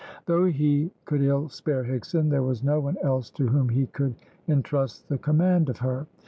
Though he could ill spare Higson, there was no one else to whom he could entrust the command of her.